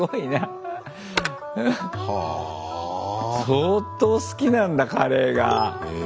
相当好きなんだカレーが。